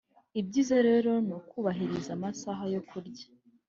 Ibyiza rero ni ukubahiriza amasaha yo kurya